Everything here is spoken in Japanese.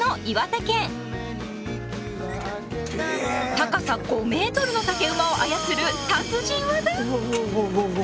高さ５ｍの竹馬を操る達人技